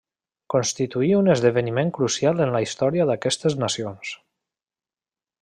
Constituí un esdeveniment crucial en la història d'aquestes nacions.